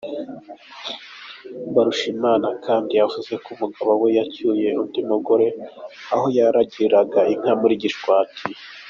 Mbarushimana kandi yavugaga ko umugabo we yacyuye undi mugore aho yaragiraga inka mu Gishwati.